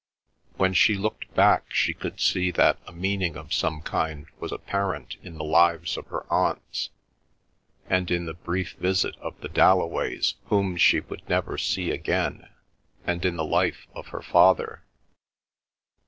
When she looked back she could see that a meaning of some kind was apparent in the lives of her aunts, and in the brief visit of the Dalloways whom she would never see again, and in the life of her father.